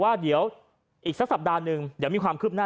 ก็ได้พลังเท่าไหร่ครับ